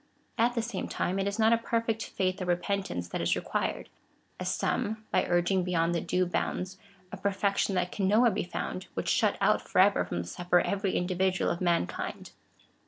At the same time, it is not a perfect faith or re pentance that is required, as some, by urging beyond due bounds, a perfection that can nowhere be found, would shut out for ever from the Supper every individual of mankind.